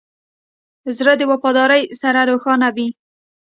زړه د وفادارۍ سره روښانه وي.